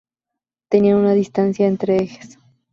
Tenían una distancia entre ejes.